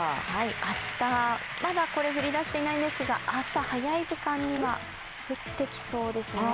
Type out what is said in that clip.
明日、まだ降りだしていないんですが、朝早い時間には降ってきそうですね。